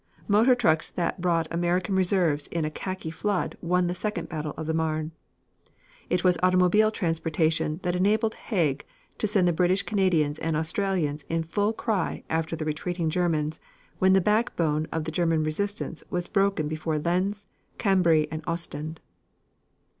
Motor trucks that brought American reserves in a khaki flood won the second battle of the Marne. It was automobile transportation that enabled Haig to send the British Canadians and Australians in full cry after the retreating Germans when the backbone of the German resistance was broken before Lens, Cambrai, and Ostend.